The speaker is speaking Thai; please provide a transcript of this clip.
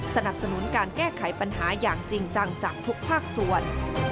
สนับสนุนการแก้ไขปัญหาอย่างจริงจังจากทุกภาคส่วน